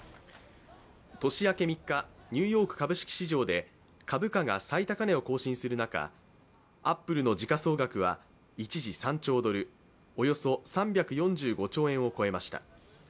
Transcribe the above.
年明け３日、ニューヨーク株式市場で株価が最高値を更新する中、アップルの時価総額は一時、３兆ドル、およそ３４５兆円を超えました。